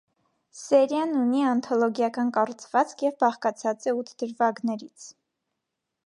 Սերիան ունի անթոլոգիական կառուցվածք և բաղկացած է ութ դրվագներից։